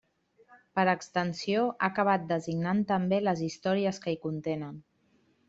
Per extensió, ha acabat designant també les històries que hi contenen.